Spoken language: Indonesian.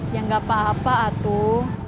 ya gak apa apa atuh